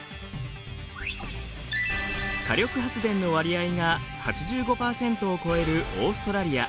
火力発電の割合が８５％を超えるオーストラリア。